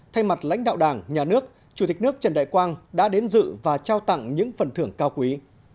thay mặt lãnh đạo đảng nhà nước chủ tịch nước trần đại quang đã đến dự và trao tặng những phần thưởng cao quý